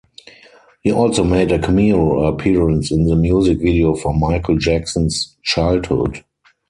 He also made a cameo appearance in the music video for Michael Jackson's "Childhood".